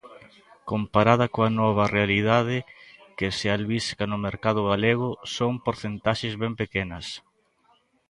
Comparada coa nova realidade que se albisca no mercado galego, son porcentaxes ben pequenas.